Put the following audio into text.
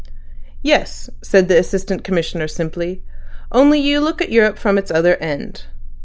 "Yes," said the Assistant Commissioner simply. "Only you look at Europe from its other end.